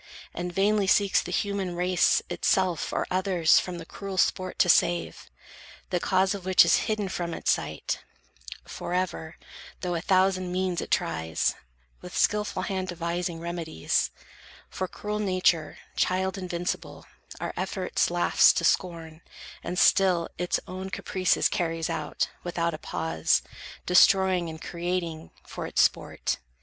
And vainly seeks the human race, itself Or others from the cruel sport to save, The cause of which is hidden from its sight Forever, though a thousand means it tries, With skilful hand devising remedies: For cruel Nature, child invincible, Our efforts laughs to scorn, and still its own Caprices carries out, without a pause, Destroying and creating, for its sport.